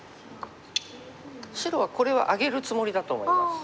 白はこれをあげるつもりだと思います。